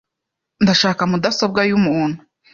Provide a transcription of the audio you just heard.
Ndashaka mudasobwa yumuntu .